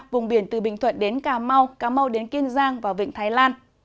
vùng biển từ bình thuận đến cà mau cà mau đến kiên giang và vịnh thái lan